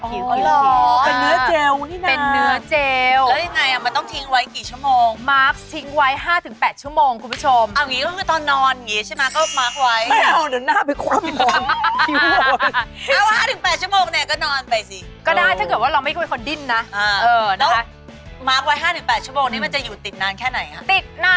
เป็นเนื้อเจลนี่น่ะเป็นเนื้อเจลแล้วยังไงอะ